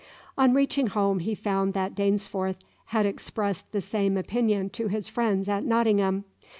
On reaching home he found that Dainsforth had expressed the same opinion to his friends at Nottingham.